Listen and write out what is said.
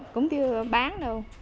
cũng chưa bán đâu